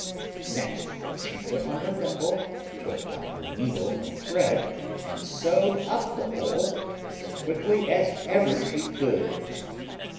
Next she put on her thimble, took out her needle and thread, and sewed up the hole as quickly as ever she could.